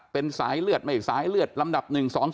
เป็นสายเลือดไม่สายเลือดลำดับ๑๒๒